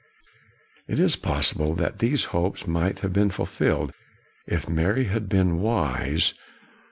It is possible that these hopes might have been fulfilled, if Mary had been wise.